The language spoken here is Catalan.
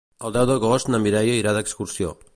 El deu d'agost na Mireia irà d'excursió.